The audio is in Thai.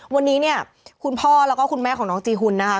วันนี้เนี่ยคุณพ่อแล้วก็คุณแม่ของน้องจีหุ่นนะคะ